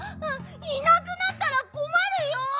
いなくなったらこまるよ！